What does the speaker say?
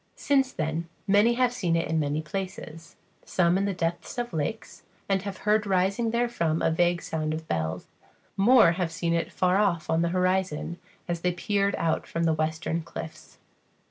Since then many have seen it in many places; some in the depths of lakes, and have heard rising therefrom a vague sound of bells; more have seen it far off on the horizon, as they peered out from the western cliffs.